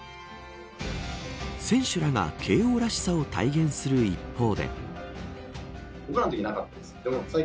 選手らが慶応らしさを体現する一方で。